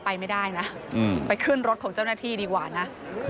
ไปไม่ได้นะไปขึ้นรถของเจ้าหน้าที่ดีกว่านะ